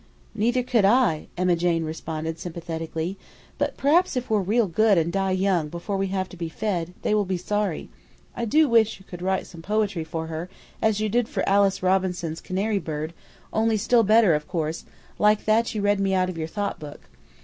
"Neither could I," Emma Jane responded sympathetically; "but p'r'aps if we're real good and die young before we have to be fed, they will be sorry. I do wish you could write some poetry for her as you did for Alice Robinson's canary bird, only still better, of course, like that you read me out of your thought book."